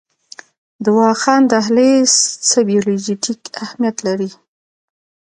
د واخان دهلیز څه جیوپولیټیک اهمیت لري؟